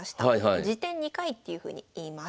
次点２回っていうふうにいいます。